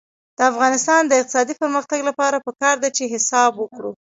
د افغانستان د اقتصادي پرمختګ لپاره پکار ده چې حساب وکړو.